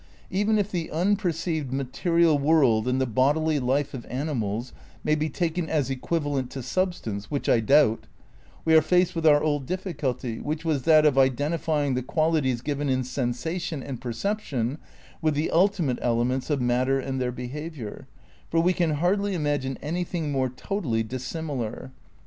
Even if the unperceived "material world and the bodily life of animals" may be taken as equivalent to substance (which I doubt) we are faced with our old diflSculty which was that of identifying the qualities given in sensation and per ception with the ultimate elements of matter and their behaviour; for we can hardly imagine anything more totally dissimilar.